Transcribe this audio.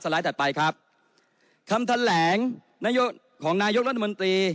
ไลด์ถัดไปครับคำแถลงนายกของนายกรัฐมนตรี